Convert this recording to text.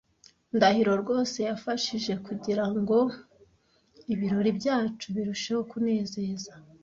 Ndahiro rwose yafashije kugirango ibirori byacu birusheho kunezeza.